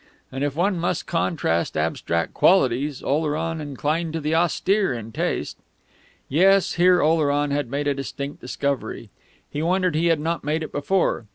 And if one must contrast abstract qualities, Oleron inclined to the austere in taste.... Yes, here Oleron had made a distinct discovery; he wondered he had not made it before.